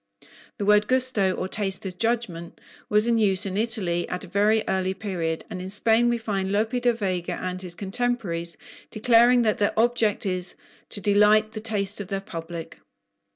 The word "gusto," or taste as judgment, was in use in Italy at a very early period; and in Spain we find Lope di Vega and his contemporaries declaring that their object is to "delight the taste" of their public.